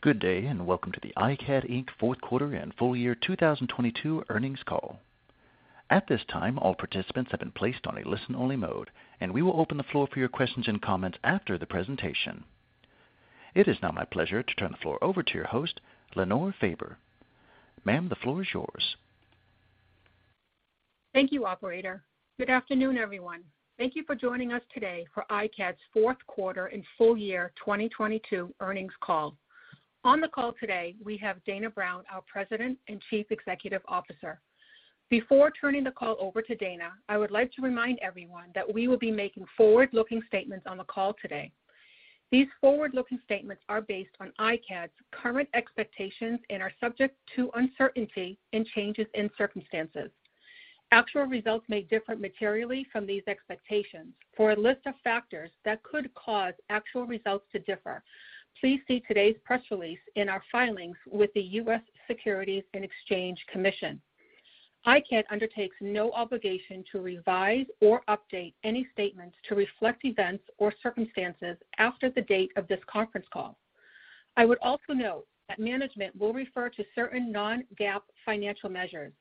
Good day, and welcome to the iCAD, Inc. fourth quarter and full year 2022 earnings call. At this time, all participants have been placed on a listen-only mode, and we will open the floor for your questions and comments after the presentation. It is now my pleasure to turn the floor over to your host, Lenore Faber. Ma'am, the floor is yours. Thank you, operator. Good afternoon, everyone. Thank you for joining us today for iCAD's fourth quarter and full year 2022 earnings call. On the call today, we have Dana Brown, our President and Chief Executive Officer. Before turning the call over to Dana, I would like to remind everyone that we will be making forward-looking statements on the call today. These forward-looking statements are based on iCAD's current expectations and are subject to uncertainty and changes in circumstances. Actual results may differ materially from these expectations. For a list of factors that could cause actual results to differ, please see today's press release in our filings with the U.S. Securities and Exchange Commission. iCAD undertakes no obligation to revise or update any statements to reflect events or circumstances after the date of this conference call. I would also note that management will refer to certain non-GAAP financial measures.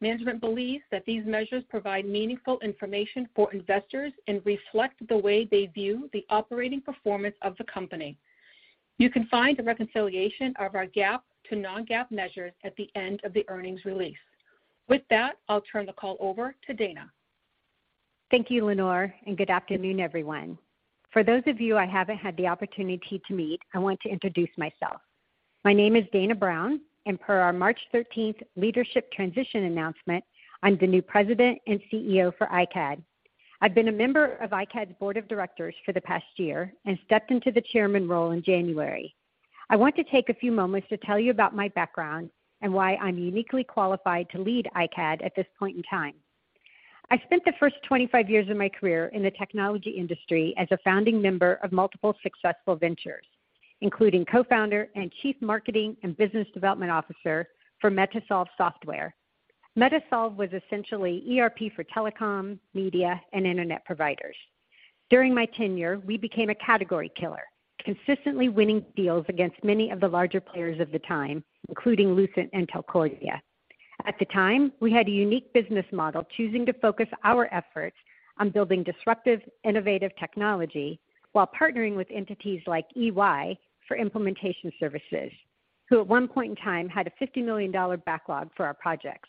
Management believes that these measures provide meaningful information for investors and reflect the way they view the operating performance of the company. You can find a reconciliation of our GAAP to non-GAAP measures at the end of the earnings release. With that, I'll turn the call over to Dana. Thank you, Lenore, good afternoon, everyone. For those of you I haven't had the opportunity to meet, I want to introduce myself. My name is Dana Brown, per our March 13th leadership transition announcement, I'm the new President and CEO for iCAD. I've been a member of iCAD's board of directors for the past year and stepped into the chairman role in January. I want to take a few moments to tell you about my background and why I'm uniquely qualified to lead iCAD at this point in time. I spent the first 25 years of my career in the technology industry as a founding member of multiple successful ventures, including Co-founder and Chief Marketing and Business Development Officer for MetaSolv Software. MetaSolv was essentially ERP for telecom, media, and Internet providers. During my tenure, we became a category killer, consistently winning deals against many of the larger players of the time, including Lucent and Telcordia. At the time, we had a unique business model, choosing to focus our efforts on building disruptive, innovative technology while partnering with entities like EY for implementation services, who at one point in time had a $50 million backlog for our projects.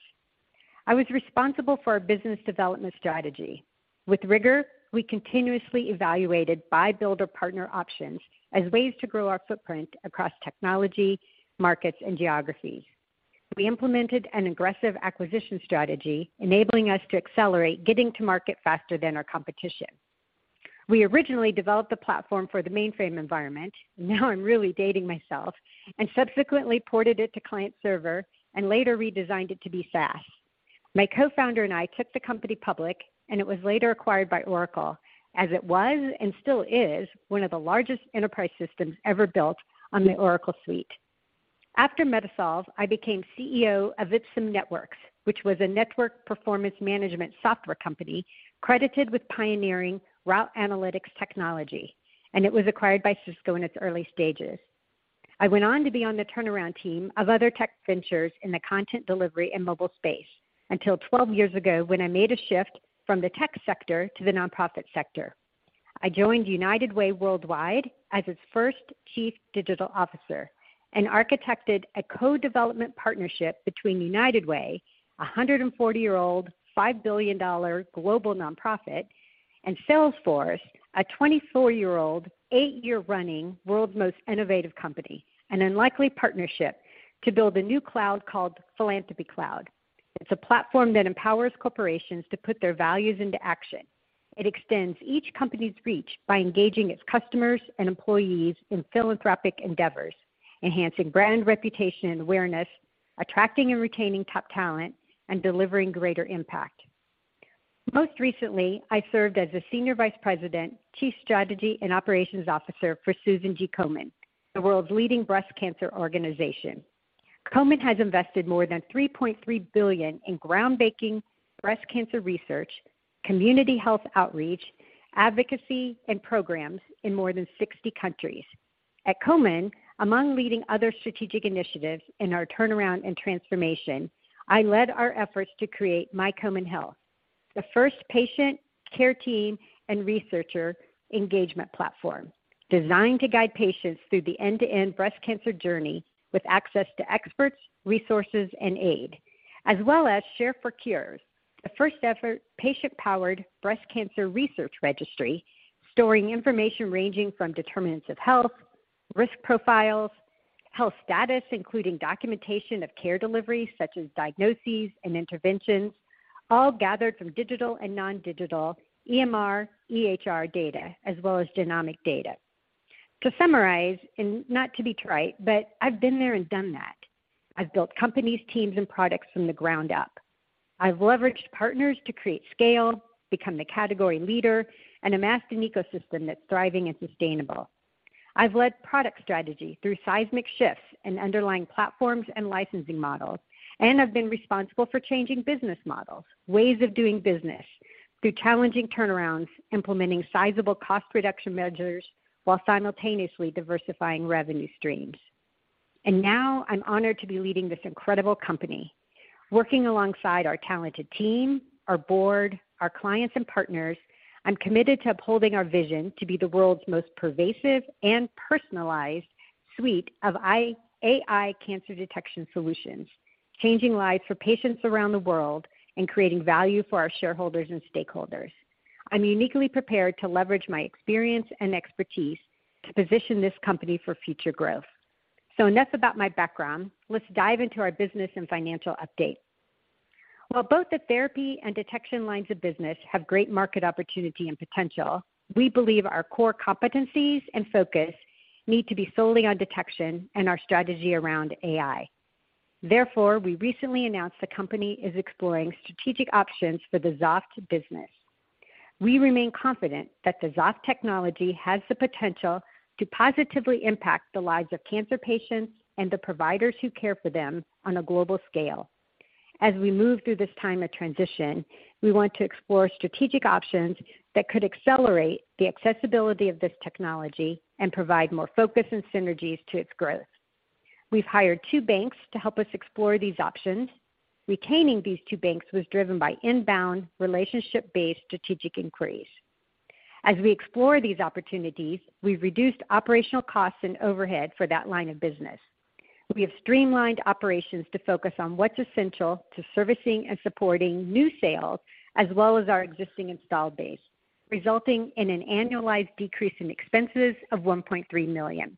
I was responsible for our business development strategy. With rigor, we continuously evaluated buy-build-or-partner options as ways to grow our footprint across technology, markets, and geographies. We implemented an aggressive acquisition strategy, enabling us to accelerate getting to market faster than our competition. We originally developed the platform for the mainframe environment, now I'm really dating myself, and subsequently ported it to client-server and later redesigned it to be SaaS. My co-founder and I took the company public. It was later acquired by Oracle as it was and still is one of the largest enterprise systems ever built on the Oracle Suite. After MetaSolv, I became CEO of Ipsum Networks, which was a network performance management software company credited with pioneering route analytics technology. It was acquired by Cisco in its early stages. I went on to be on the turnaround team of other tech ventures in the content delivery and mobile space until 12 years ago when I made a shift from the tech sector to the nonprofit sector. I joined United Way Worldwide as its first chief digital officer and architected a co-development partnership between United Way, a 140-year-old, $5 billion global nonprofit, and Salesforce, a 24-year-old, eight-year running world's most innovative company, an unlikely partnership to build a new cloud called Philanthropy Cloud. It's a platform that empowers corporations to put their values into action. It extends each company's reach by engaging its customers and employees in philanthropic endeavors, enhancing brand reputation and awareness, attracting and retaining top talent, and delivering greater impact. Most recently, I served as the senior vice president, chief strategy and operations officer for Susan G. Komen, the world's leading breast cancer organization. Komen has invested more than $3.3 billion in groundbreaking breast cancer research, community health outreach, advocacy, and programs in more than 60 countries. At Komen, among leading other strategic initiatives in our turnaround and transformation, I led our efforts to create MyKomen Health, the first patient care team and researcher engagement platform designed to guide patients through the end-to-end breast cancer journey with access to experts, resources, and aid, as well as ShareForCures, the first-ever patient-powered breast cancer research registry storing information ranging from determinants of health, risk profiles, health status, including documentation of care delivery, such as diagnoses and interventions, all gathered from digital and non-digital EMR, EHR data, as well as genomic data. To summarize, and not to be trite, but I've been there and done that. I've built companies, teams, and products from the ground up. I've leveraged partners to create scale, become the category leader, and amassed an ecosystem that's thriving and sustainable. I've led product strategy through seismic shifts in underlying platforms and licensing models, and I've been responsible for changing business models, ways of doing business, through challenging turnarounds, implementing sizable cost reduction measures while simultaneously diversifying revenue streams. Now I'm honored to be leading this incredible company. Working alongside our talented team, our board, our clients and partners, I'm committed to upholding our vision to be the world's most pervasive and personalized suite of AI cancer detection solutions, changing lives for patients around the world and creating value for our shareholders and stakeholders. I'm uniquely prepared to leverage my experience and expertise to position this company for future growth. Enough about my background. Let's dive into our business and financial update. While both the therapy and detection lines of business have great market opportunity and potential, we believe our core competencies and focus need to be solely on detection and our strategy around AI. We recently announced the company is exploring strategic options for the Xoft business. We remain confident that the Xoft technology has the potential to positively impact the lives of cancer patients and the providers who care for them on a global scale. As we move through this time of transition, we want to explore strategic options that could accelerate the accessibility of this technology and provide more focus and synergies to its growth. We've hired two banks to help us explore these options. Retaining these two banks was driven by inbound relationship-based strategic inquiries. As we explore these opportunities, we've reduced operational costs and overhead for that line of business. We have streamlined operations to focus on what's essential to servicing and supporting new sales, as well as our existing installed base, resulting in an annualized decrease in expenses of $1.3 million.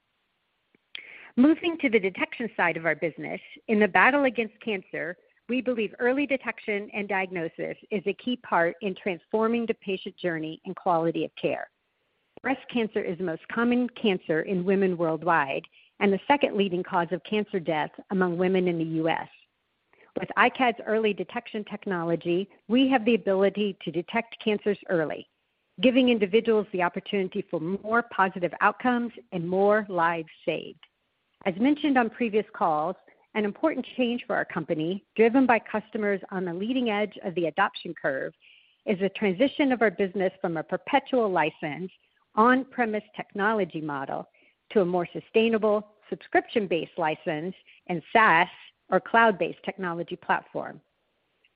Moving to the detection side of our business, in the battle against cancer, we believe early detection and diagnosis is a key part in transforming the patient journey and quality of care. Breast cancer is the most common cancer in women worldwide and the second leading cause of cancer death among women in the U.S. With iCAD's early detection technology, we have the ability to detect cancers early, giving individuals the opportunity for more positive outcomes and more lives saved. As mentioned on previous calls, an important change for our company, driven by customers on the leading edge of the adoption curve, is the transition of our business from a perpetual license on-premise technology model to a more sustainable subscription-based license and SaaS or cloud-based technology platform.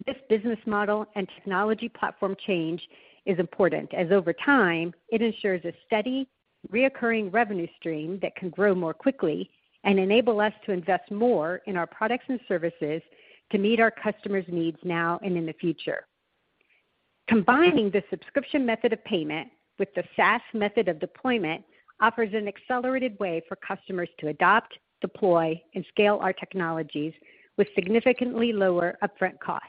This business model and technology platform change is important as over time it ensures a steady reoccurring revenue stream that can grow more quickly and enable us to invest more in our products and services to meet our customers' needs now and in the future. Combining the subscription method of payment with the SaaS method of deployment offers an accelerated way for customers to adopt, deploy, and scale our technologies with significantly lower upfront costs.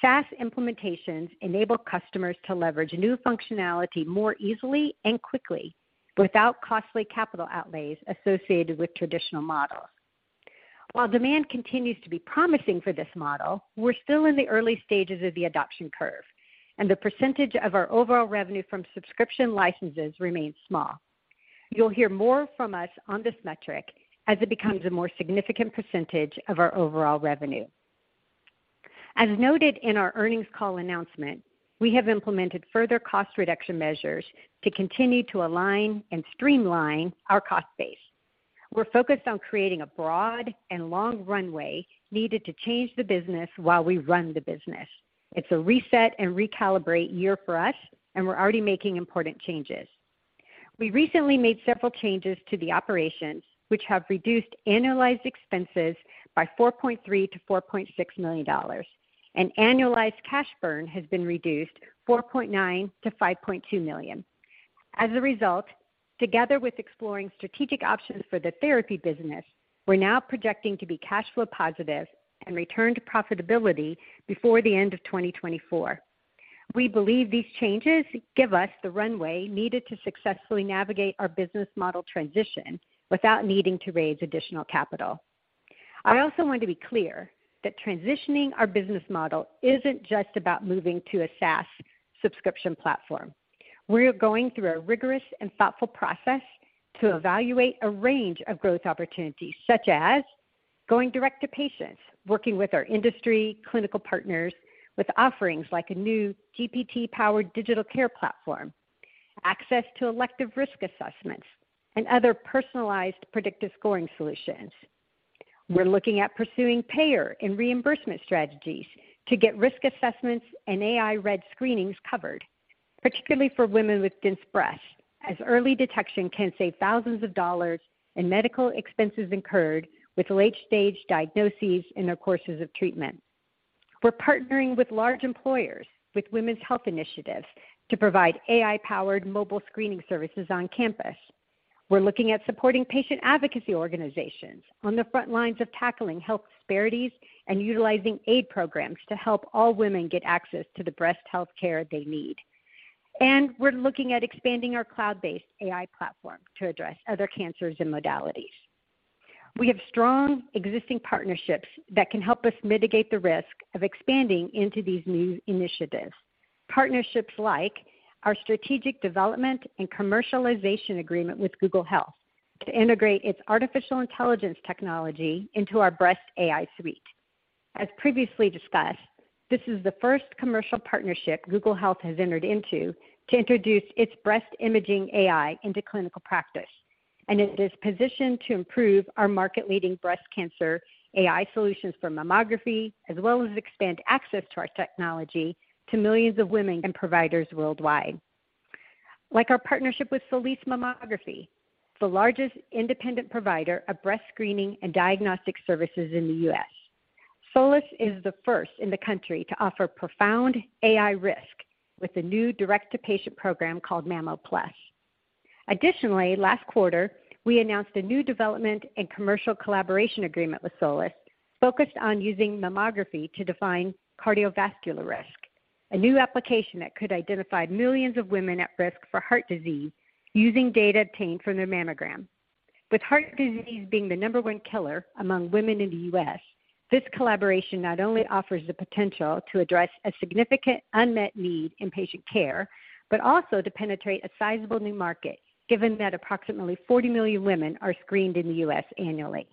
SaaS implementations enable customers to leverage new functionality more easily and quickly without costly capital outlays associated with traditional models. While demand continues to be promising for this model, we're still in the early stages of the adoption curve, and the percentage of our overall revenue from subscription licenses remains small. You'll hear more from us on this metric as it becomes a more significant percentage of our overall revenue. As noted in our earnings call announcement, we have implemented further cost reduction measures to continue to align and streamline our cost base. We're focused on creating a broad and long runway needed to change the business while we run the business. It's a reset and recalibrate year for us, and we're already making important changes. We recently made several changes to the operations which have reduced annualized expenses by $4.3 million-$4.6 million, and annualized cash burn has been reduced $4.9 million-$5.2 million. As a result, together with exploring strategic options for the therapy business, we're now projecting to be cash flow positive and return to profitability before the end of 2024. We believe these changes give us the runway needed to successfully navigate our business model transition without needing to raise additional capital. I also want to be clear that transitioning our business model isn't just about moving to a SaaS subscription platform. We're going through a rigorous and thoughtful process to evaluate a range of growth opportunities, such as going direct to patients, working with our industry clinical partners with offerings like a new GPT-powered digital care platform, access to elective risk assessments, and other personalized predictive scoring solutions. We're looking at pursuing payer and reimbursement strategies to get risk assessments and AI-read screenings covered, particularly for women with dense breasts, as early detection can save thousands of dollars in medical expenses incurred with late-stage diagnoses and their courses of treatment. We're partnering with large employers with women's health initiatives to provide AI-powered mobile screening services on campus. We're looking at supporting patient advocacy organizations on the front lines of tackling health disparities and utilizing aid programs to help all women get access to the breast health care they need. We're looking at expanding our cloud-based AI platform to address other cancers and modalities. We have strong existing partnerships that can help us mitigate the risk of expanding into these new initiatives. Partnerships like our strategic development and commercialization agreement with Google Health to integrate its artificial intelligence technology into our Breast AI suite. As previously discussed, this is the first commercial partnership Google Health has entered into to introduce its breast imaging AI into clinical practice. It is positioned to improve our market-leading breast cancer AI solutions for mammography, as well as expand access to our technology to millions of women and providers worldwide. Like our partnership with Solis Mammography, the largest independent provider of breast screening and diagnostic services in the US. Solis is the first in the country to offer ProFound AI Risk with the new direct-to-patient program called MammoPlus. Last quarter, we announced a new development and commercial collaboration agreement with Solis focused on using mammography to define cardiovascular risk, a new application that could identify millions of women at risk for heart disease using data obtained from their mammogram. With heart disease being the number one killer among women in the U.S., this collaboration not only offers the potential to address a significant unmet need in patient care, but also to penetrate a sizable new market, given that approximately 40 million women are screened in the U.S. annually.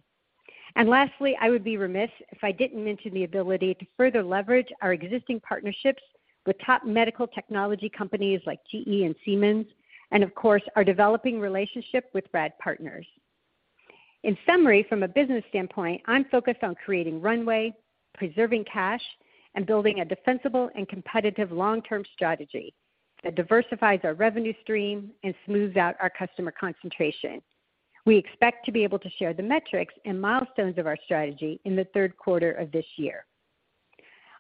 Lastly, I would be remiss if I didn't mention the ability to further leverage our existing partnerships with top medical technology companies like GE and Siemens, and of course, our developing relationship with Rad Partners. In summary, from a business standpoint, I'm focused on creating runway, preserving cash, and building a defensible and competitive long-term strategy that diversifies our revenue stream and smooths out our customer concentration. We expect to be able to share the metrics and milestones of our strategy in the third quarter of this year.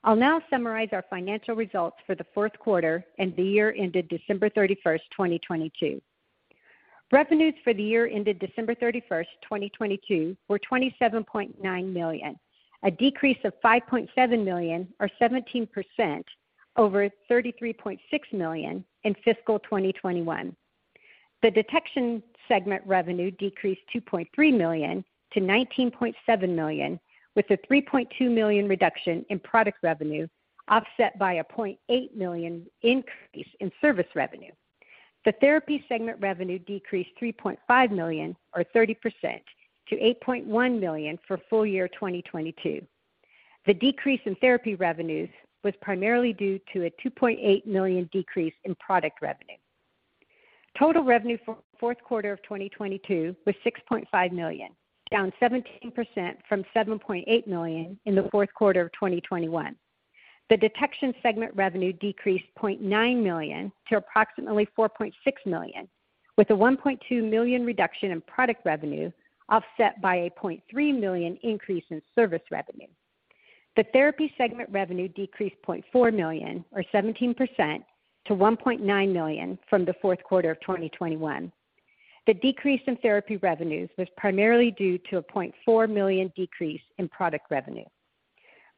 I'll now summarize our financial results for the fourth quarter and the year ended December 31st, 2022. Revenues for the year ended December 31st, 2022 were $27.9 million, a decrease of $5.7 million or 17% over $33.6 million in fiscal 2021. The detection segment revenue decreased $2.3 million-$19.7 million, with a $3.2 million reduction in product revenue, offset by a $0.8 million increase in service revenue. The therapy segment revenue decreased $3.5 million or 30% to $8.1 million for full year 2022. The decrease in therapy revenues was primarily due to a $2.8 million decrease in product revenue. Total revenue for fourth quarter of 2022 was $6.5 million, down 17% from $7.8 million in the fourth quarter of 2021. The detection segment revenue decreased $0.9 million to approximately $4.6 million, with a $1.2 million reduction in product revenue offset by a $0.3 million increase in service revenue. The therapy segment revenue decreased $0.4 million or 17% to $1.9 million from the fourth quarter of 2021. The decrease in therapy revenues was primarily due to a $0.4 million decrease in product revenue.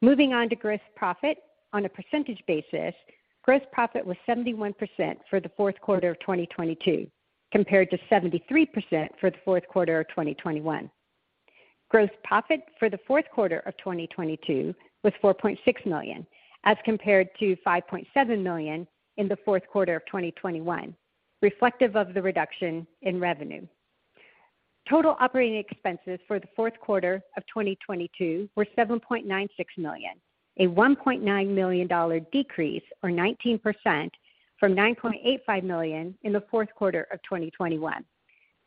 Moving on to gross profit. On a percentage basis, gross profit was 71% for the fourth quarter of 2022, compared to 73% for the fourth quarter of 2021. Gross profit for the fourth quarter of 2022 was $4.6 million, as compared to $5.7 million in the fourth quarter of 2021, reflective of the reduction in revenue. Total operating expenses for the fourth quarter of 2022 were $7.96 million, a $1.9 million decrease or 19% from $9.85 million in the fourth quarter of 2021.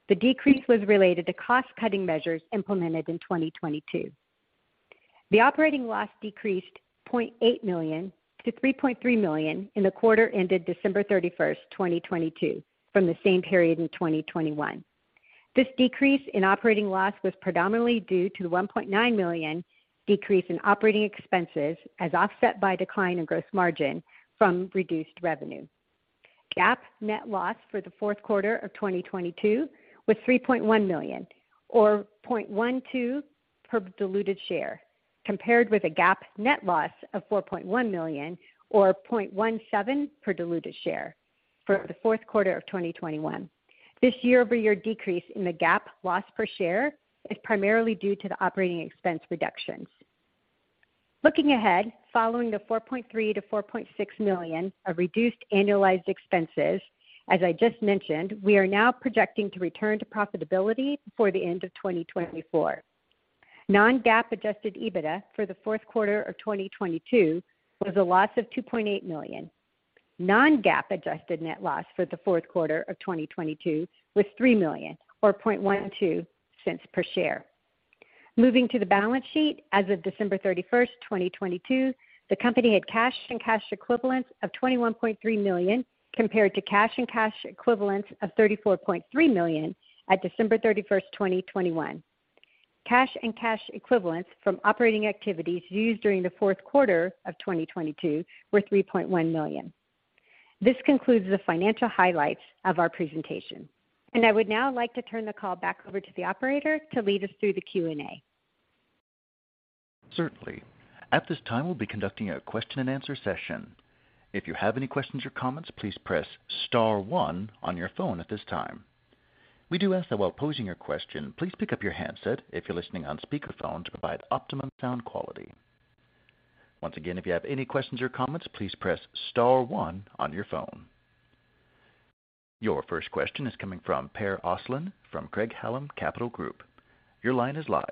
The decrease was related to cost-cutting measures implemented in 2022. The operating loss decreased $0.8 million to $3.3 million in the quarter ended December 31st, 2022 from the same period in 2021. This decrease in operating loss was predominantly due to the $1.9 million decrease in operating expenses, as offset by decline in gross margin from reduced revenue. GAAP net loss for the fourth quarter of 2022 was $3.1 million or $0.12 per diluted share, compared with a GAAP net loss of $4.1 million or $0.17 per diluted share for the fourth quarter of 2021. This year-over-year decrease in the GAAP loss per share is primarily due to the operating expense reductions. Looking ahead, following the $4.3 million-$4.6 million of reduced annualized expenses, as I just mentioned, we are now projecting to return to profitability before the end of 2024. Non-GAAP adjusted EBITDA for the fourth quarter of 2022 was a loss of $2.8 million. Non-GAAP adjusted net loss for the fourth quarter of 2022 was $3 million or $0.12 per share. Moving to the balance sheet, as of December 31st, 2022, the company had cash and cash equivalents of $21.3 million, compared to cash and cash equivalents of $34.3 million at December 31st, 2021. Cash and cash equivalents from operating activities used during the fourth quarter of 2022 were $3.1 million. This concludes the financial highlights of our presentation. I would now like to turn the call back over to the operator to lead us through the Q&A. Certainly. At this time, we'll be conducting a question and answer session. If you have any questions or comments, please press star one on your phone at this time. We do ask that while posing your question, please pick up your handset if you're listening on speakerphone to provide optimum sound quality. Once again, if you have any questions or comments, please press star one on your phone. Your first question is coming from Per Ostlund from Craig-Hallum Capital Group. Your line is live.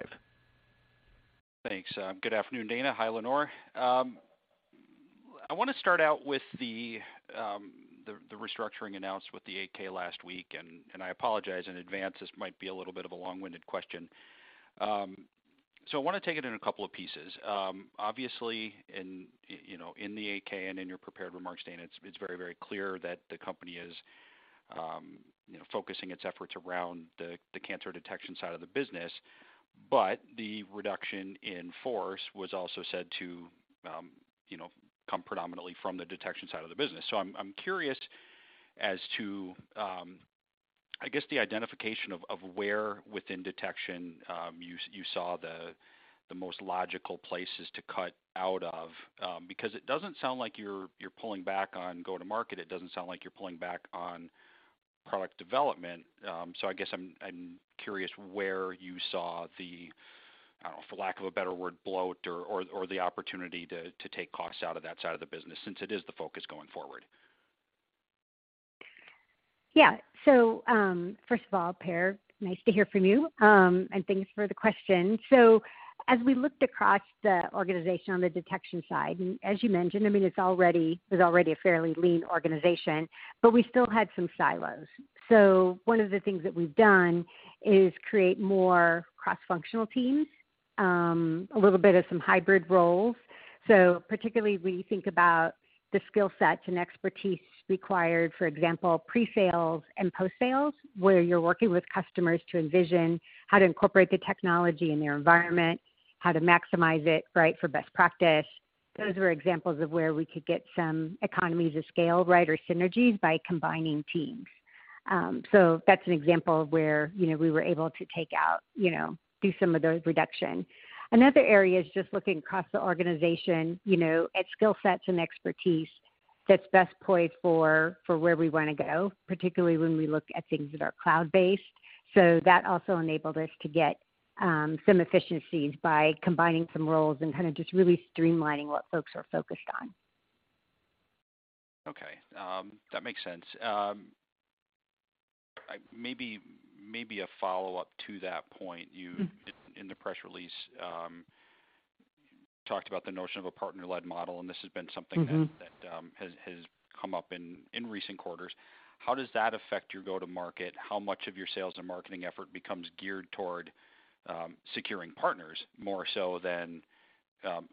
Thanks. Good afternoon, Dana. Hi, Lenore. I wanna start out with the restructuring announced with the 8-K last week. I apologize in advance, this might be a little bit of a long-winded question. I wanna take it in a couple of pieces. Obviously in, you know, in the 8-K and in your prepared remarks, Dana, it's very, very clear that the company is, you know, focusing its efforts around the cancer detection side of the business. The reduction in force was also said to, you know, come predominantly from the detection side of the business. I'm curious as to, I guess the identification of where within detection, you saw the most logical places to cut out of. Because it doesn't sound like you're pulling back on go-to-market, it doesn't sound like you're pulling back on product development. I guess I'm curious where you saw the, I don't know, for lack of a better word, bloat or the opportunity to take costs out of that side of the business since it is the focus going forward. First of all, Per, nice to hear from you, and thanks for the question. As we looked across the organization on the detection side, and as you mentioned, I mean, it was already a fairly lean organization, but we still had some silos. One of the things that we've done is create more cross-functional teams, a little bit of some hybrid roles. Particularly we think about the skill sets and expertise required, for example, pre-sales and post-sales, where you're working with customers to envision how to incorporate the technology in their environment, how to maximize it, right, for best practice. Those were examples of where we could get some economies of scale, right, or synergies by combining teams. That's an example of where, you know, we were able to take out, you know, do some of the reduction. Another area is just looking across the organization, you know, at skill sets and expertise that's best poised for where we wanna go, particularly when we look at things that are cloud-based. That also enabled us to get some efficiencies by combining some roles and kinda just really streamlining what folks are focused on. Okay. That makes sense. Maybe a follow-up to that point. Mm-hmm. You, in the press release, talked about the notion of a partner-led model, and this has been something. Mm-hmm... that has come up in recent quarters. How does that affect your go-to-market? How much of your sales and marketing effort becomes geared toward securing partners more so than,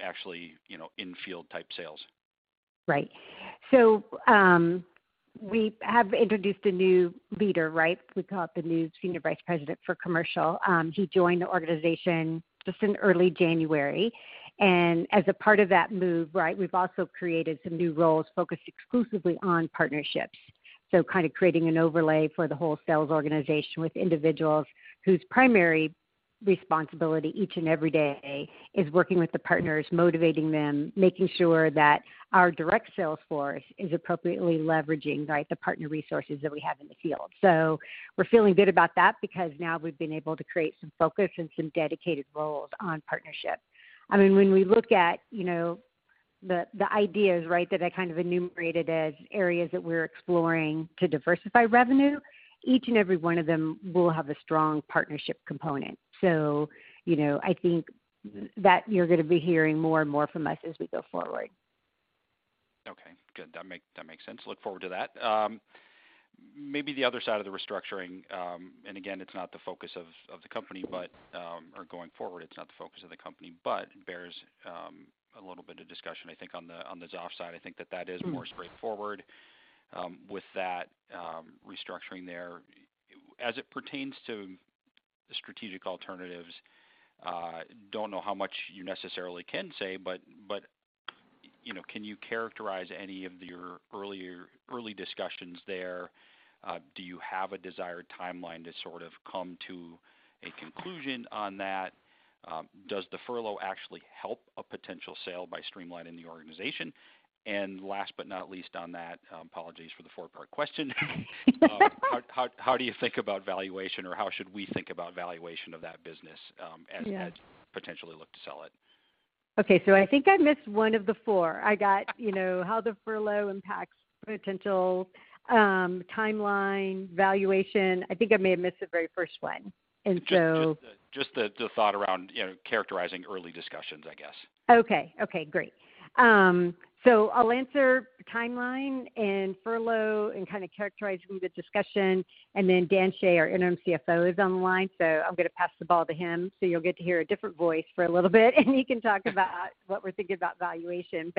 actually, you know, in-field type sales? Right. We have introduced a new leader, right? We call it the new senior vice president for commercial. He joined the organization just in early January. As a part of that move, right, we've also created some new roles focused exclusively on partnerships. Kinda creating an overlay for the whole sales organization with individuals whose primary responsibility each and every day is working with the partners, motivating them, making sure that our direct sales force is appropriately leveraging, right, the partner resources that we have in the field. We're feeling good about that because now we've been able to create some focus and some dedicated roles on partnership. I mean, when we look at, you know, the ideas, right, that I kind of enumerated as areas that we're exploring to diversify revenue, each and every one of them will have a strong partnership component. You know, I think that you're gonna be hearing more and more from us as we go forward. Okay. Good. That make, that makes sense. Look forward to that. Maybe the other side of the restructuring, and again, it's not the focus of the company, but or going forward, it's not the focus of the company, but bears a little bit of discussion, I think, on the Xoft side. I think that that is more straightforward with that restructuring there. As it pertains to the strategic alternatives, don't know how much you necessarily can say, but, you know, can you characterize any of your early discussions there? Do you have a desired timeline to sort of come to a conclusion on that? Does the furlough actually help a potential sale by streamlining the organization? Last but not least on that, apologies for the four-part question. How do you think about valuation, or how should we think about valuation of that business. Yeah... as you potentially look to sell it? Okay. I think I missed one of the four. I got, you know, how the furlough impacts potential, timeline, valuation. I think I may have missed the very first one. Just the thought around, you know, characterizing early discussions, I guess. Okay, great. I'll answer timeline and furlough and kinda characterize maybe the discussion, and then Daniel Shea, our Interim CFO, is on the line, so I'm gonna pass the ball to him, so you'll get to hear a different voice for a little bit, and he can talk about what we're thinking about valuation.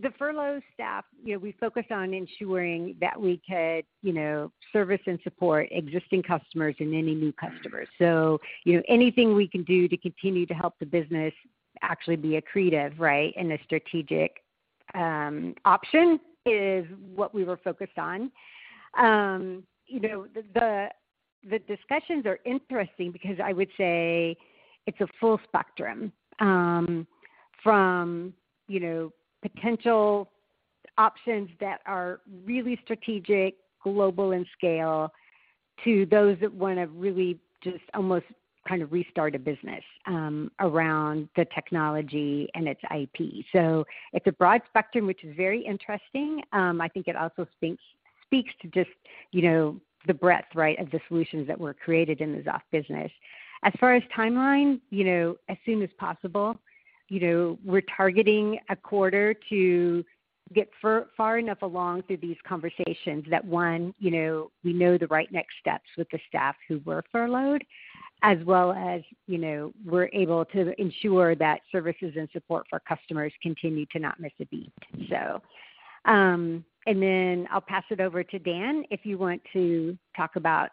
The furlough staff, you know, we focused on ensuring that we could, you know, service and support existing customers and any new customers. Anything we can do to continue to help the business actually be accretive, right, in a strategic option is what we were focused on. You know, the, the discussions are interesting because I would say it's a full spectrum. You know, potential options that are really strategic, global in scale to those that want to really just almost kind of restart a business around the technology and its IP. It's a broad spectrum, which is very interesting. I think it also speaks to just, you know, the breadth, right, of the solutions that were created in the Xoft business. As far as timeline, you know, as soon as possible. You know, we're targeting a quarter to get far enough along through these conversations that, one, you know, we know the right next steps with the staff who were furloughed, as well as, you know, we're able to ensure that services and support for customers continue to not miss a beat. I'll pass it over to Dan, if you want to talk about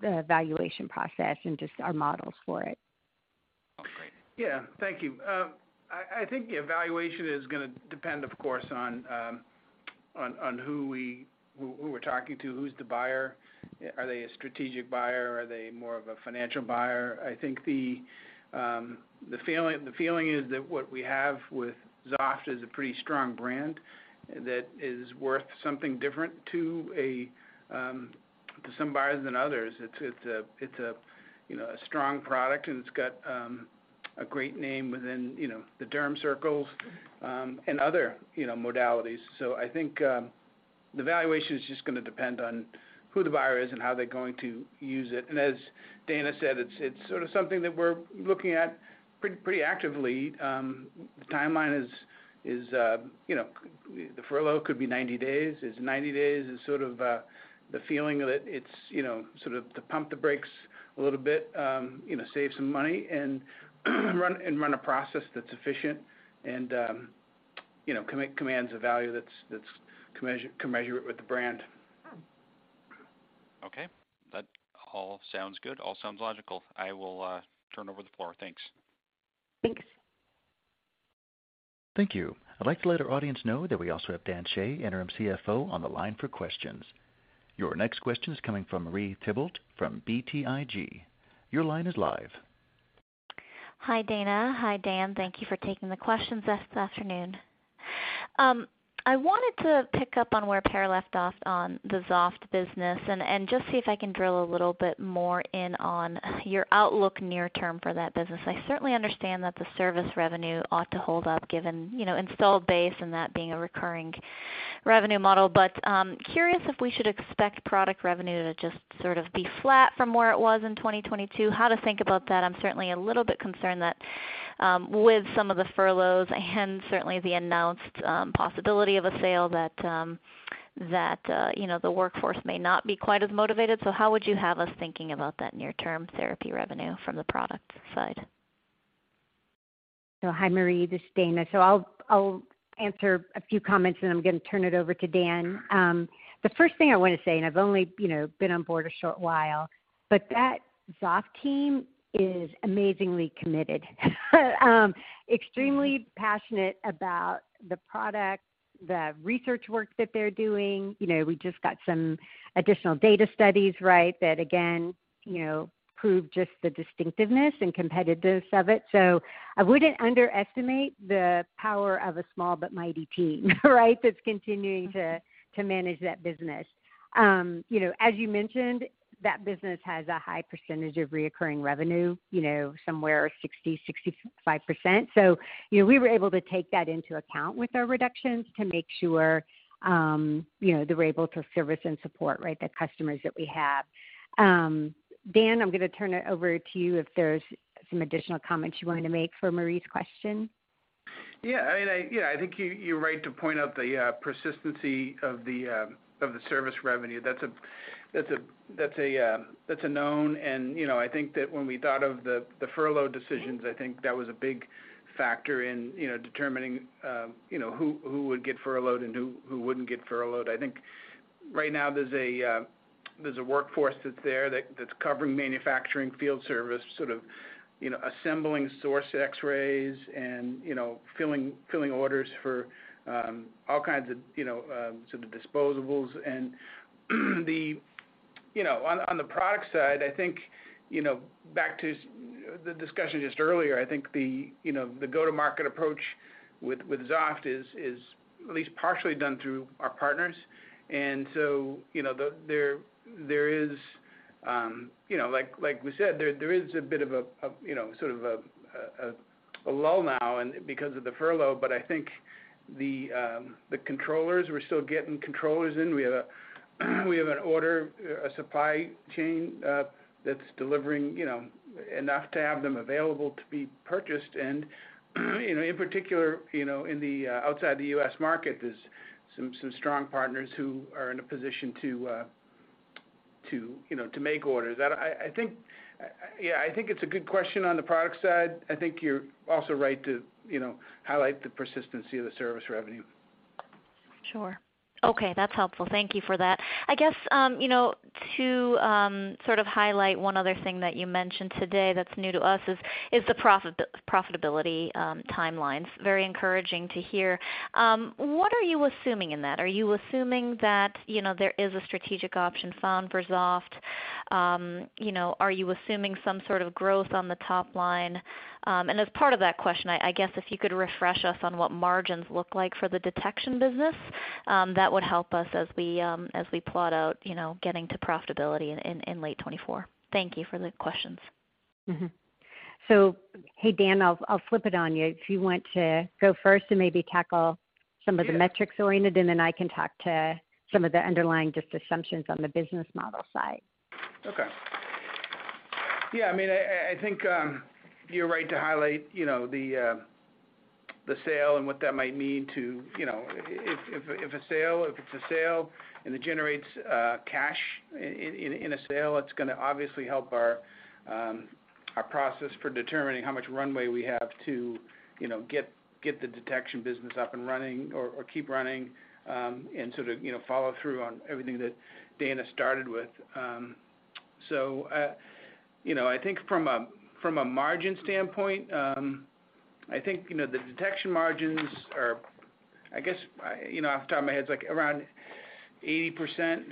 the valuation process and just our models for it. Yeah. Thank you. I think the evaluation is gonna depend, of course, on who we're talking to, who's the buyer. Are they a strategic buyer? Are they more of a financial buyer? I think the feeling is that what we have with Xoft is a pretty strong brand that is worth something different to some buyers than others. It's a, you know, a strong product, and it's got a great name within, you know, the derm circles, and other, you know, modalities. I think the valuation is just gonna depend on who the buyer is and how they're going to use it. As Dana said, it's sort of something that we're looking at pretty actively. The timeline is, you know, the furlough could be 90 days. It's 90 days is sort of, the feeling that it's, you know, sort of to pump the brakes a little bit, you know, save some money and run a process that's efficient and, you know, commands a value that's commensurate with the brand. That all sounds good. All sounds logical. I will turn over the floor. Thanks. Thanks. Thank you. I'd like to let our audience know that we also have Dan Shea, Interim CFO, on the line for questions. Your next question is coming from Marie Thibault from BTIG. Your line is live. Hi, Dana. Hi, Dan. Thank you for taking the questions this afternoon. I wanted to pick up on where Per left off on the Xoft business and just see if I can drill a little bit more in on your outlook near term for that business. I certainly understand that the service revenue ought to hold up given, you know, installed base and that being a recurring revenue model. Curious if we should expect product revenue to just sort of be flat from where it was in 2022. How to think about that? I'm certainly a little bit concerned that, with some of the furloughs and certainly the announced, possibility of a sale that, you know, the workforce may not be quite as motivated. How would you have us thinking about that near term therapy revenue from the product side? Hi, Marie. This is Dana. I'll answer a few comments, and I'm gonna turn it over to Dan. The first thing I want to say, and I've only, you know, been on board a short while, but that Xoft team is amazingly committed, extremely passionate about the product, the research work that they're doing. You know, we just got some additional data studies, right, that again, you know, prove just the distinctiveness and competitiveness of it. I wouldn't underestimate the power of a small but mighty team, right? That's continuing to manage that business. You know, as you mentioned, that business has a high percentage of reoccurring revenue, you know, somewhere 60%-65%. you know, we were able to take that into account with our reductions to make sure, you know, that we're able to service and support, right, the customers that we have. Dan, I'm gonna turn it over to you if there's some additional comments you wanted to make for Marie's question. Yeah. I mean, I think you're right to point out the persistency of the service revenue. That's a known. You know, I think that when we thought of the furlough decisions, I think that was a big factor in, you know, determining, you know, who would get furloughed and who wouldn't get furloughed. I think right now there's a workforce that's there that's covering manufacturing field service, sort of, you know, assembling X-ray source and, you know, filling orders for all kinds of, you know, sort of disposables. The. You know, on the product side, I think, you know, back to the discussion just earlier, I think the, you know, the go-to-market approach with Xoft is at least partially done through our partners. You know, there is, you know, like we said, there is a bit of a lull now because of the furlough, but I think the controllers, we're still getting controllers in. We have an order, a supply chain that's delivering, you know, enough to have them available to be purchased. You know, in particular, you know, in the outside the U.S. market, there's some strong partners who are in a position to, you know, to make orders. I think, yeah, I think it's a good question on the product side. I think you're also right to, you know, highlight the persistency of the service revenue. Sure. Okay. That's helpful. Thank you for that. I guess, you know, to sort of highlight one other thing that you mentioned today that's new to us is the profitability timelines. Very encouraging to hear. What are you assuming in that? Are you assuming that, you know, there is a strategic option found for Xoft? You know, are you assuming some sort of growth on the top line? As part of that question, I guess if you could refresh us on what margins look like for the detection business, that would help us as we plot out, you know, getting to profitability in late 2024. Thank you for the questions. Mm-hmm. Hey, Dan, I'll flip it on you. If you want to go first and maybe tackle some of the. Sure. metrics oriented, and then I can talk to some of the underlying just assumptions on the business model side. Yeah, I mean, I think you're right to highlight, you know, the sale and what that might mean to, you know, if a sale, if it's a sale and it generates cash in a sale, it's gonna obviously help our process for determining how much runway we have to, you know, get the detection business up and running or keep running, and sort of, you know, follow through on everything that Dana started with. You know, I think from a, from a margin standpoint, I think, you know, the detection margins are I guess, you know, off the top of my head, it's like around 80%.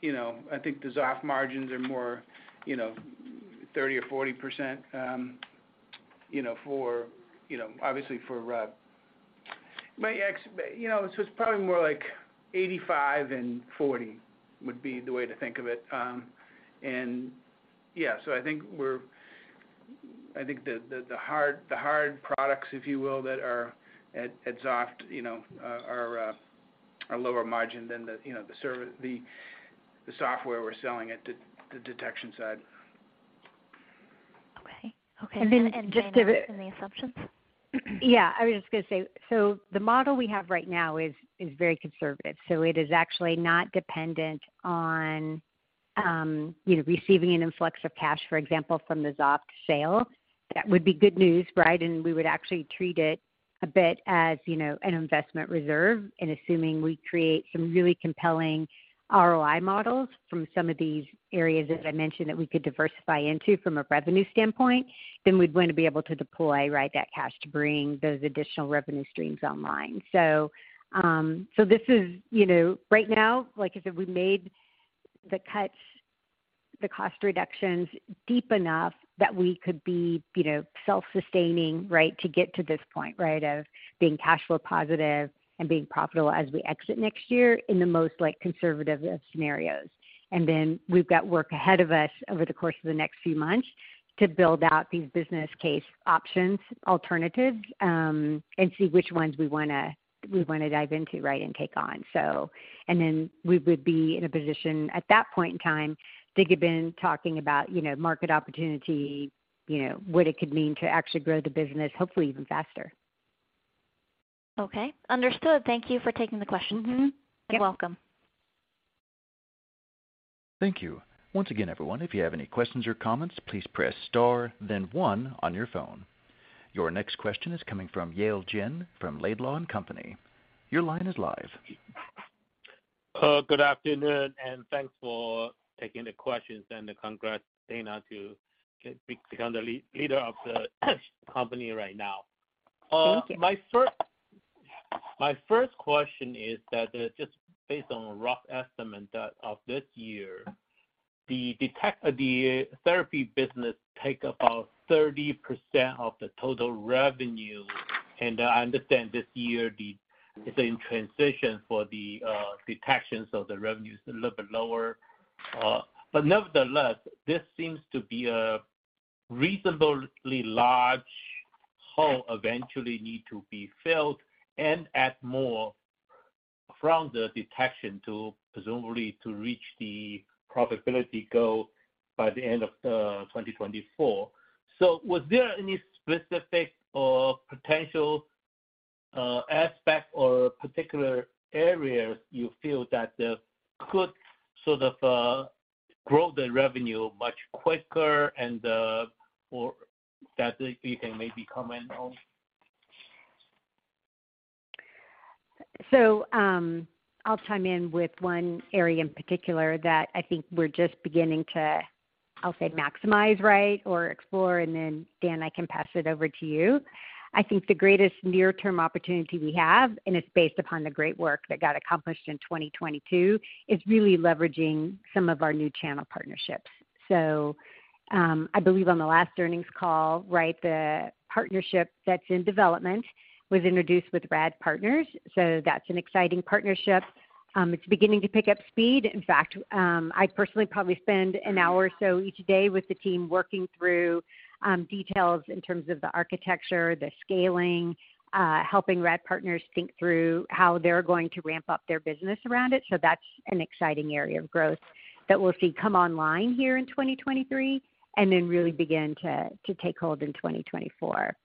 You know, I think the Xoft margins are more, you know, 30% or 40%, you know, for, you know, obviously for rev. You know, so it's probably more like 85% and 40% would be the way to think of it. Yeah, so I think the hard products, if you will, that are at Xoft, you know, are lower margin than, you know, the software we're selling at the detection side. Okay. Okay. just Dana, any assumptions? I was just gonna say, the model we have right now is very conservative. It is actually not dependent on, you know, receiving an influx of cash, for example, from the Xoft sale. That would be good news, right? We would actually treat it a bit as, you know, an investment reserve. Assuming we create some really compelling ROI models from some of these areas, as I mentioned, that we could diversify into from a revenue standpoint, we'd want to be able to deploy, right, that cash to bring those additional revenue streams online. This is, you know, right now, like I said, we made the cuts, the cost reductions deep enough that we could be, you know, self-sustaining, right, to get to this point, right, of being cash flow positive and being profitable as we exit next year in the most, like, conservative of scenarios. We've got work ahead of us over the course of the next few months to build out these business case options, alternatives, and see which ones we wanna, we wanna dive into, right, and take on. We would be in a position at that point in time to begin talking about, you know, market opportunity, you know, what it could mean to actually grow the business, hopefully even faster. Okay. Understood. Thank you for taking the question. Mm-hmm. Yep. You're welcome. Thank you. Once again, everyone, if you have any questions or comments, please press Star, then one on your phone. Your next question is coming from Yale Jen from Laidlaw & Company. Your line is live. Good afternoon, and thanks for taking the questions, and congrats, Dana, to become the leader of the company right now. Thank you. My first question is that just based on a rough estimate that of this year, the therapy business take about 30% of the total revenue. I understand this year the, it's in transition for the detection, so the revenue is a little bit lower. Nevertheless, this seems to be a reasonably large hole eventually need to be filled and add more from the detection to presumably to reach the profitability goal by the end of 2024. Was there any specific or potential aspect or particular areas you feel that could sort of grow the revenue much quicker and or that you can maybe comment on? I'll chime in with one area in particular that I think we're just beginning to, I'll say, maximize, right, or explore, and then Dan, I can pass it over to you. I think the greatest near-term opportunity we have, and it's based upon the great work that got accomplished in 2022, is really leveraging some of our new channel partnerships. I believe on the last earnings call, right, the partnership that's in development was introduced with RAD Partners. That's an exciting partnership. It's beginning to pick up speed. In fact, I personally probably spend an hour or so each day with the team working through details in terms of the architecture, the scaling, helping RAD Partners think through how they're going to ramp up their business around it. That's an exciting area of growth that we'll see come online here in 2023 and then really begin to take hold in 2024.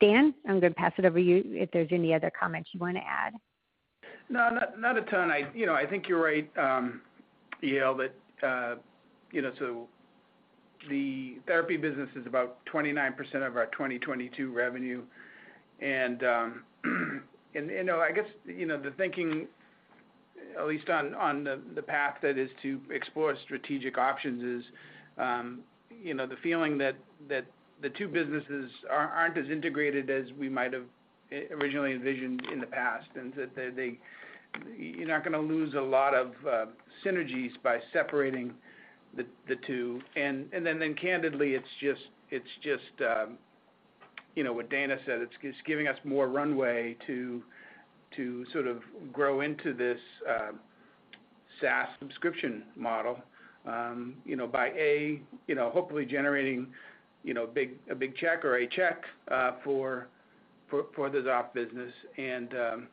Dan, I'm gonna pass it over to you if there's any other comments you wanna add. No, not a ton. I, you know, I think you're right, Yale, that, you know, the therapy business is about 29% of our 2022 revenue. I guess, you know, the thinking, at least on the path that is to explore strategic options is, you know, the feeling that the two businesses aren't as integrated as we might have originally envisioned in the past, and that you're not gonna lose a lot of synergies by separating the two. Then, then candidly, it's just, you know, what Dana said, it's giving us more runway to sort of grow into this SaaS subscription model, you know, by A, you know, hopefully generating, you know, a big check or a check for the Xoft business. Then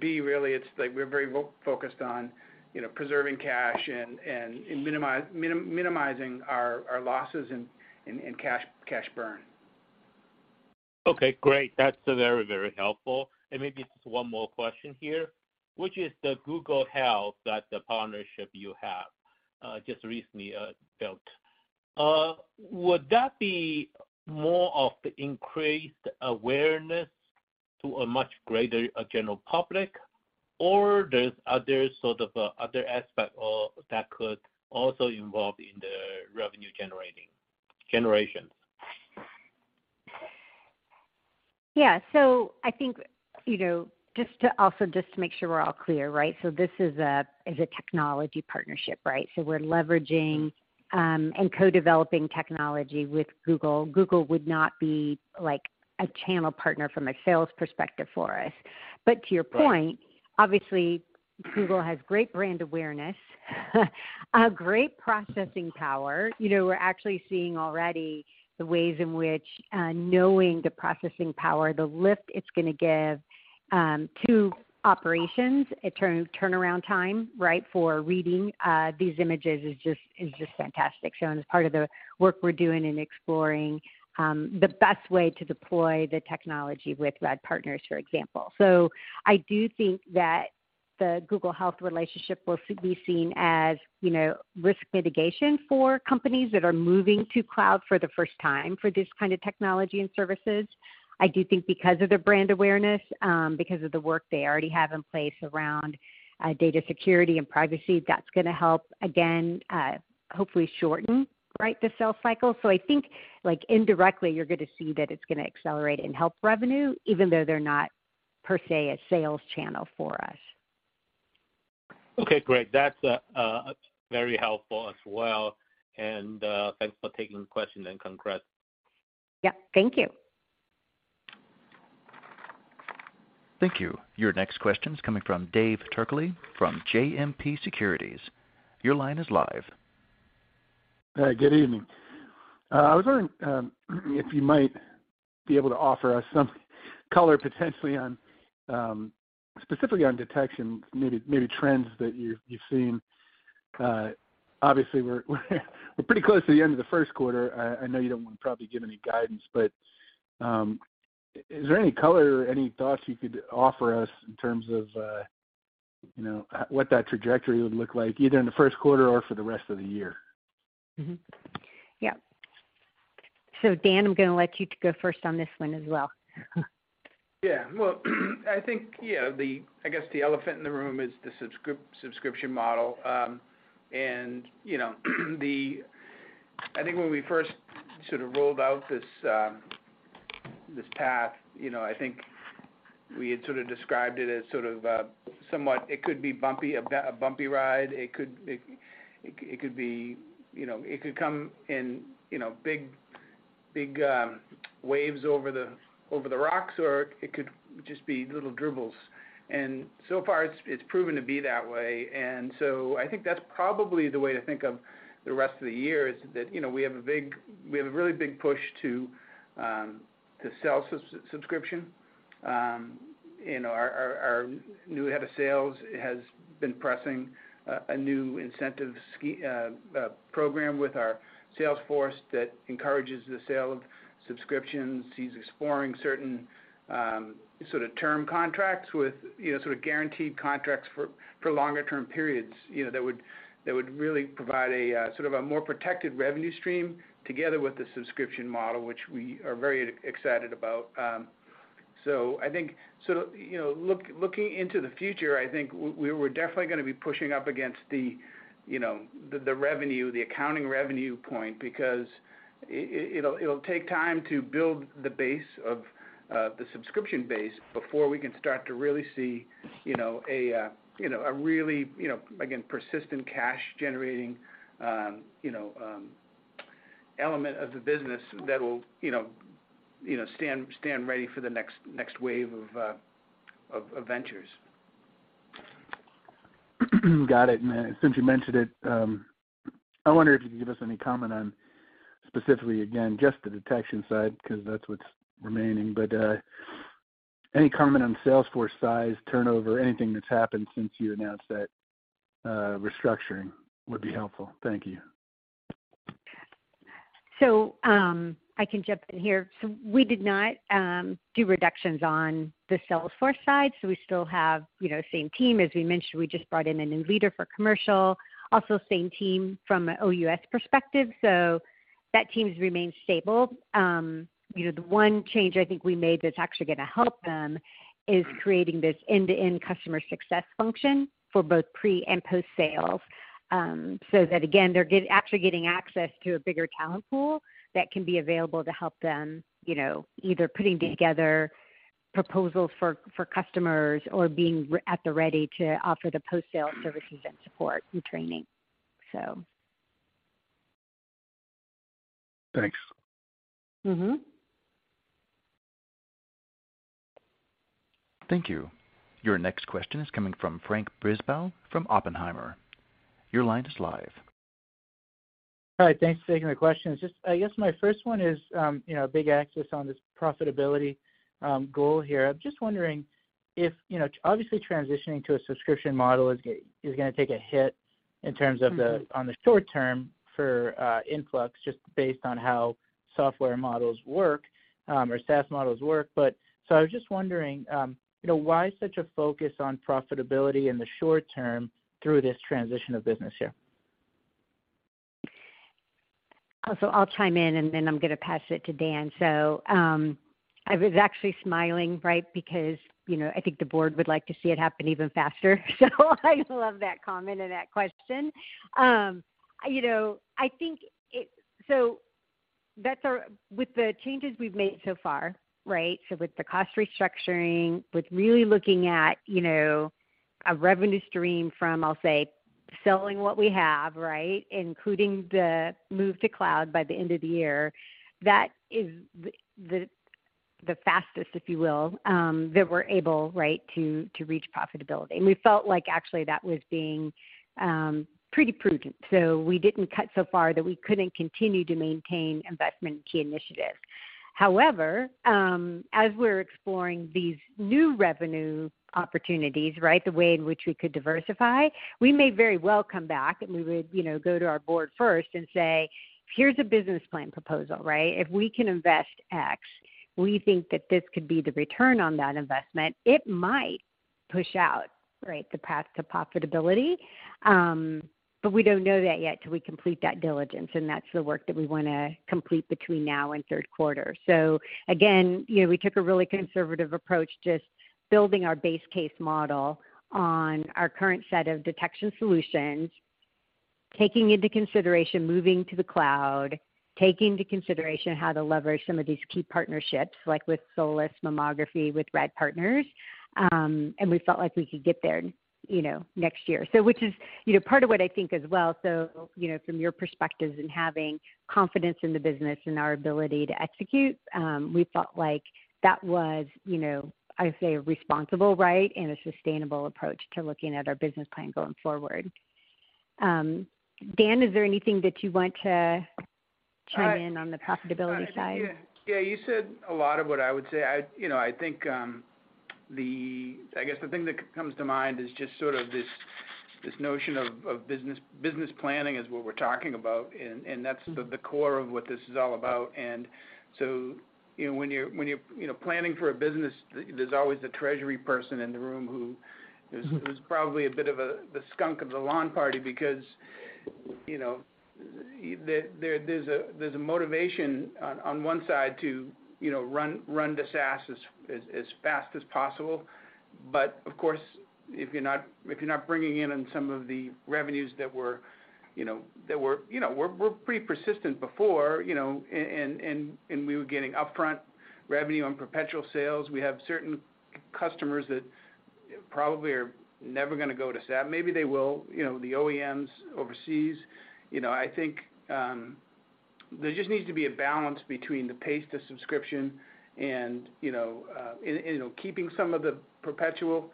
B, really, it's like we're very focused on, you know, preserving cash and minimizing our losses and cash burn. Okay, great. That's very, very helpful. Maybe just one more question here. Which is the Google Health that the partnership you have just recently built? Would that be more of the increased awareness to a much greater general public, or there's other sort of other aspect or that could also involve in the revenue generation? Yeah. I think, you know, just to also just to make sure we're all clear, right? This is a technology partnership, right? We're leveraging and co-developing technology with Google. Google would not be like a channel partner from a sales perspective for us. To your point. Right. Obviously, Google has great brand awareness, a great processing power. You know, we're actually seeing already the ways in which, knowing the processing power, the lift it's gonna give to operations at turnaround time, right, for reading these images is just fantastic. As part of the work we're doing in exploring the best way to deploy the technology with Rad Partners, for example. I do think that the Google Health relationship will be seen as, you know, risk mitigation for companies that are moving to cloud for the first time for this kind of technology and services. I do think because of their brand awareness, because of the work they already have in place around data security and privacy, that's gonna help again, hopefully shorten, right, the sales cycle. I think, like, indirectly, you're gonna see that it's gonna accelerate and help revenue, even though they're not per se a sales channel for us. Okay, great. That's very helpful as well. Thanks for taking the question and congrats. Yep. Thank you. Thank you. Your next question is coming from Dave Turkaly from JMP Securities. Your line is live. Good evening. I was wondering if you might be able to offer us some color potentially on specifically on detection, trends that you've seen. Obviously, we're pretty close to the end of the first quarter. I know you don't wanna probably give any guidance, but is there any color or any thoughts you could offer us in terms of, you know, what that trajectory would look like either in the first quarter or for the rest of the year? Mm-hmm. Yep. Dan Shea, I'm gonna let you to go first on this one as well. Yeah. Well, I think, you know, I guess the elephant in the room is the subscription model. You know, I think when we first sort of rolled out this path, you know, I think we had sort of described it as sort of somewhat it could be bumpy, a bumpy ride. It could be, you know, it could come in, you know, big waves over the, over the rocks, or it could just be little dribbles. So far it's proven to be that way. I think that's probably the way to think of the rest of the year is that, you know, we have a really big push to sell subscription. Our new head of sales has been pressing a new incentive program with our sales force that encourages the sale of subscriptions. He's exploring certain, sort of term contracts with, you know, sort of guaranteed contracts for longer term periods, you know, that would really provide a sort of a more protected revenue stream together with the subscription model, which we are very excited about. I think, you know, looking into the future, I think we were definitely gonna be pushing up against you know, the revenue, the accounting revenue point because it'll take time to build the base of the subscription base before we can start to really see, you know, a, you know, a really, you know, again, persistent cash generating, you know, element of the business that will, you know, stand ready for the next wave of ventures. Got it. Since you mentioned it, I wonder if you could give us any comment on specifically, again, just the detection side because that's what's remaining. Any comment on sales force size, turnover, anything that's happened since you announced that restructuring would be helpful. Thank you. I can jump in here. We did not do reductions on the sales force side, so we still have, you know, same team. As we mentioned, we just brought in a new leader for commercial. Also, same team from OUS perspective. That team's remained stable. You know, the one change I think we made that's actually gonna help them is creating this end-to-end customer success function for both pre and post-sales, so that again, they're actually getting access to a bigger talent pool that can be available to help them, you know, either putting together proposals for customers or being at the ready to offer the post-sale services and support and training. Thanks. Mm-hmm. Thank you. Your next question is coming from Frank Brisebois from Oppenheimer. Your line is live. All right. Thanks for taking my question. It's just, I guess my first one is, you know, a big axis on this profitability goal here. I'm just wondering if, you know, obviously transitioning to a subscription model is gonna take a hit in terms of the. Mm-hmm on the short term for influx, just based on how software models work, or SaaS models work. I was just wondering, you know, why such a focus on profitability in the short term through this transition of business here? I'll chime in, and then I'm gonna pass it to Dan. I was actually smiling, right, because, you know, I think the board would like to see it happen even faster. I love that comment and that question. You know, with the changes we've made so far, right? With the cost restructuring, with really looking at, you know, a revenue stream from, I'll say, selling what we have, right, including the move to cloud by the end of the year, that is the, the fastest, if you will, that we're able, right, to reach profitability. We felt like actually that was being pretty prudent. We didn't cut so far that we couldn't continue to maintain investment in key initiatives. However, as we're exploring these new revenue opportunities, right, the way in which we could diversify, we may very well come back, and we would, you know, go to our board first and say, "Here's a business plan proposal," right? If we can invest X, we think that this could be the return on that investment. It might push out, right, the path to profitability, but we don't know that yet till we complete that diligence, and that's the work that we wanna complete between now and third quarter. Again, you know, we took a really conservative approach just building our base case model on our current set of detection solutions, taking into consideration moving to the cloud, taking into consideration how to leverage some of these key partnerships, like with Solis Mammography, with Radiology Partners. We felt like we could get there, you know, next year. Which is, you know, part of what I think as well. From your perspectives in having confidence in the business and our ability to execute, we felt like that was, you know, I would say a responsible right and a sustainable approach to looking at our business plan going forward. Dan, is there anything that you want to chime in. I- on the profitability side? Yeah. You said a lot of what I would say. I, you know, I think, I guess the thing that comes to mind is just sort of this notion of business planning is what we're talking about, and that's the core of what this is all about. You know, when you're, when you're, you know, planning for a business, there's always a treasury person in the room. Mm-hmm... is probably a bit of a, the skunk of the lawn party because, you know, there's a, there's a motivation on one side to, you know, run to SaaS as fast as possible. Of course, if you're not bringing in on some of the revenues that were. You know, were pretty persistent before, you know, and we were getting upfront revenue on perpetual sales. We have certain customers that probably are never gonna go to SaaS. Maybe they will, you know, the OEMs overseas. You know, I think, there just needs to be a balance between the pace to subscription and, you know, and keeping some of the perpetual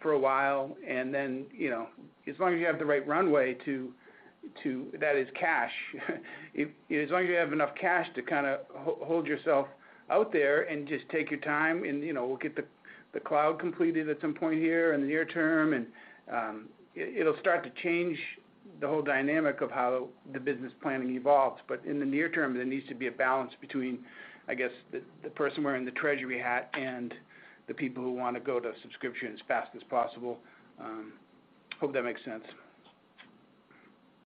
for a while, and then, you know, as long as you have the right runway. That is cash. As long as you have enough cash to kinda hold yourself out there and just take your time and, you know, we'll get the cloud completed at some point here in the near term. It'll start to change the whole dynamic of how the business planning evolves. In the near term, there needs to be a balance between, I guess, the person wearing the treasury hat and the people who wanna go to subscription as fast as possible. Hope that makes sense.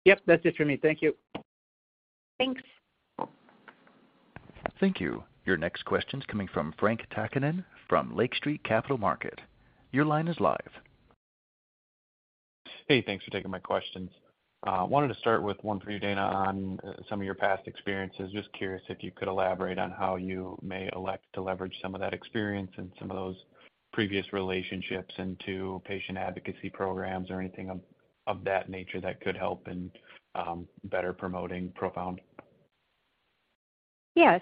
Yep. That's it for me. Thank you. Thanks. Thank you. Your next question's coming from Frank Takkinen from Lake Street Capital Markets. Your line is live. Hey, thanks for taking my questions. wanted to start with one for you, Dana, on, some of your past experiences. Just curious if you could elaborate on how you may elect to leverage some of that experience and some of those previous relationships into patient advocacy programs or anything of that nature that could help in, better promoting ProFound? Yeah.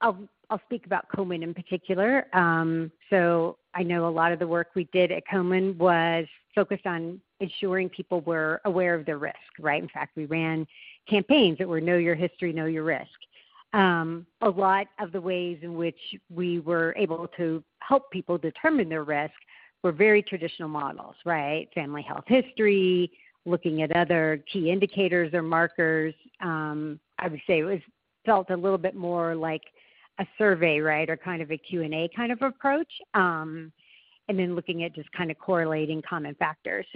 I'll speak about Komen in particular. I know a lot of the work we did at Komen was focused on ensuring people were aware of their risk, right? In fact, we ran campaigns that were know your history, know your risk. A lot of the ways in which we were able to help people determine their risk were very traditional models, right? Family health history, looking at other key indicators or markers. I would say it was felt a little bit more like a survey, right? Or kind of a Q&A kind of approach. Looking at just kind of correlating common factors.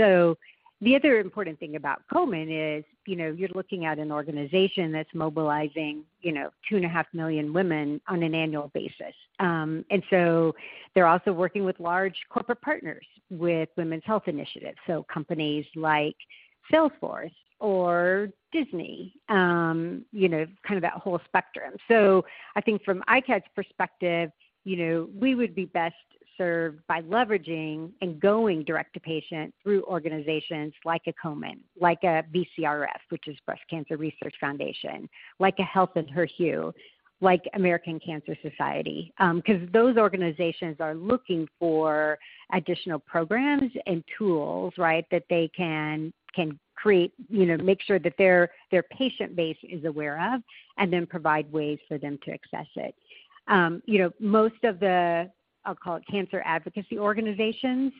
The other important thing about Komen is, you know, you're looking at an organization that's mobilizing, you know, 2.5 million women on an annual basis. They're also working with large corporate partners with women's health initiatives, so companies like Salesforce or Disney, you know, kind of that whole spectrum. I think from iCAD's perspective, you know, we would be best served by leveraging and going direct to patient through organizations like a Komen, like a BCRF, which is Breast Cancer Research Foundation, like a Health In Her HUE, like American Cancer Society. 'Cause those organizations are looking for additional programs and tools, right, that they can create, you know, make sure that their patient base is aware of, and then provide ways for them to access it. You know, most of the, I'll call it cancer advocacy organizations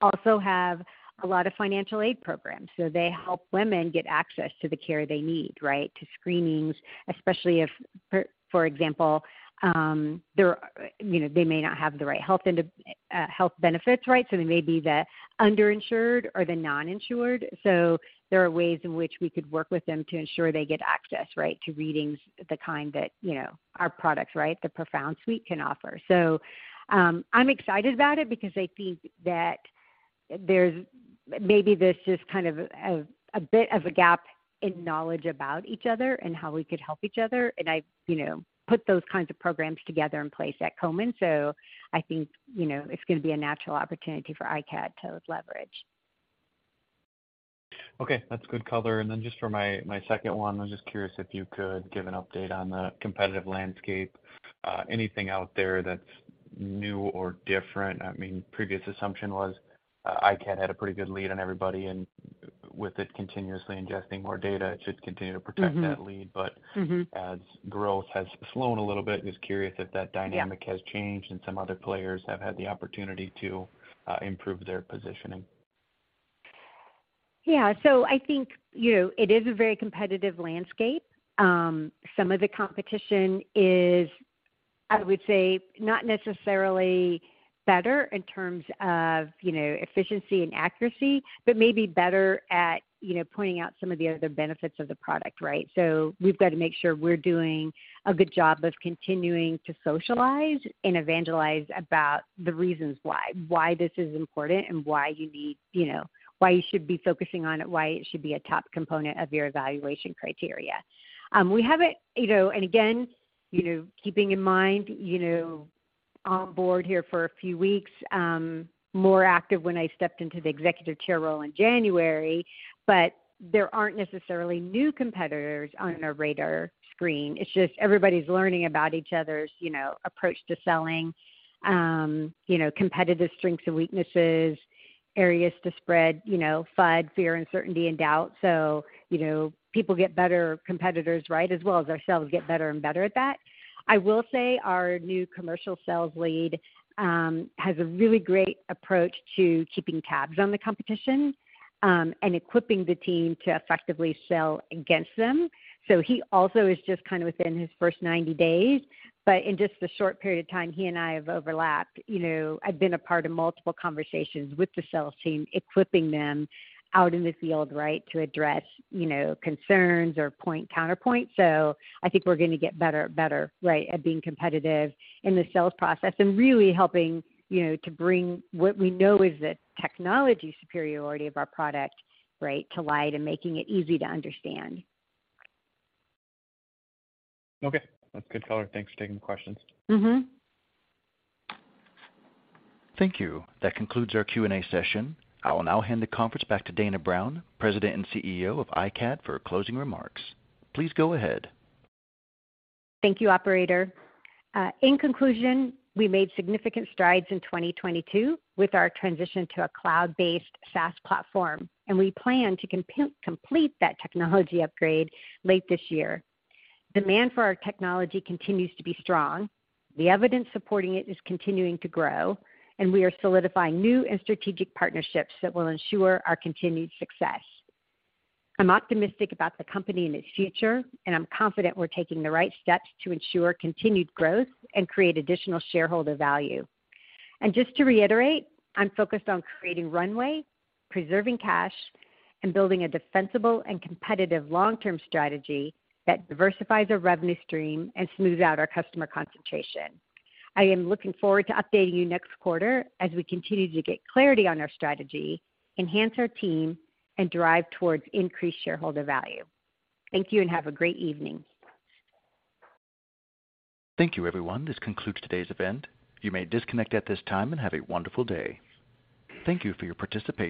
also have a lot of financial aid programs, so they help women get access to the care they need, right, to screenings, especially if, for example, you know, they may not have the right health and health benefits, right? They may be the underinsured or the non-insured. There are ways in which we could work with them to ensure they get access, right, to readings, the kind that, you know, our products, right, the ProFound Suite can offer. I'm excited about it because I think that maybe there's just kind of a bit of a gap in knowledge about each other and how we could help each other, and I've, you know, put those kinds of programs together in place at Komen. I think, you know, it's going to be a natural opportunity for iCAD to leverage. Okay, that's good color. Just for my second one, I'm just curious if you could give an update on the competitive landscape. Anything out there that's new or different? I mean, previous assumption was iCAD had a pretty good lead on everybody, and with it continuously ingesting more data, it should continue to protect that lead. Mm-hmm. But- Mm-hmm. As growth has slowed a little bit, just curious if that dynamic has changed and some other players have had the opportunity to improve their positioning. I think, you know, it is a very competitive landscape. Some of the competition is, I would say, not necessarily better in terms of, you know, efficiency and accuracy, but maybe better at, you know, pointing out some of the other benefits of the product, right? We've got to make sure we're doing a good job of continuing to socialize and evangelize about the reasons why. Why this is important and why you need, you know, why you should be focusing on it, why it should be a top component of your evaluation criteria. We haven't, you know, and again, you know, keeping in mind, you know, on board here for a few weeks, more active when I stepped into the executive chair role in January, but there aren't necessarily new competitors on our radar screen. It's just everybody's learning about each other's, you know, approach to selling, you know, competitive strengths and weaknesses, areas to spread, you know, FUD, fear, uncertainty and doubt. You know, people get better competitors, right, as well as ourselves get better and better at that. I will say our new commercial sales lead has a really great approach to keeping tabs on the competition and equipping the team to effectively sell against them. He also is just kind of within his first 90 days, but in just the short period of time he and I have overlapped, you know, I've been a part of multiple conversations with the sales team, equipping them out in the field, right, to address, you know, concerns or point counterpoint. I think we're gonna get better, right, at being competitive in the sales process and really helping, you know, to bring what we know is the technology superiority of our product, right, to light and making it easy to understand. Okay. That's good color. Thanks for taking the questions. Mm-hmm. Thank you. That concludes our Q&A session. I will now hand the conference back to Dana Brown, President and CEO of iCAD, for closing remarks. Please go ahead. Thank you, operator. In conclusion, we made significant strides in 2022 with our transition to a cloud-based SaaS platform, and we plan to complete that technology upgrade late this year. Demand for our technology continues to be strong, the evidence supporting it is continuing to grow, and we are solidifying new and strategic partnerships that will ensure our continued success. I'm optimistic about the company and its future, and I'm confident we're taking the right steps to ensure continued growth and create additional shareholder value. Just to reiterate, I'm focused on creating runway, preserving cash, and building a defensible and competitive long-term strategy that diversifies our revenue stream and smooths out our customer concentration. I am looking forward to updating you next quarter as we continue to get clarity on our strategy, enhance our team, and drive towards increased shareholder value. Thank you and have a great evening. Thank you, everyone. This concludes today's event. You may disconnect at this time and have a wonderful day. Thank you for your participation.